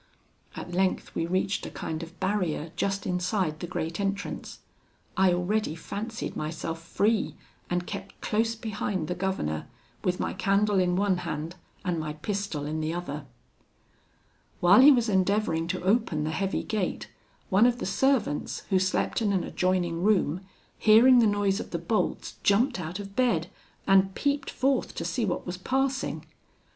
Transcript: At length we reached a kind of barrier, just inside the great entrance. I already fancied myself free, and kept close behind the governor, with my candle in one hand, and my pistol in the other. "While he was endeavouring to open the heavy gate, one of the servants, who slept in an adjoining room, hearing the noise of the bolts, jumped out of bed, and peeped forth to see what was passing.